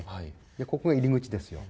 ここ、入り口ですよ。